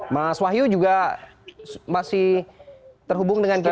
mas wahyu juga masih terhubung dengan kita